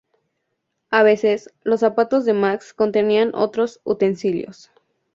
A veces, los zapatos de Max contenían otros utensilios.